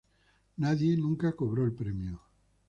Nadie nunca cobró el premio.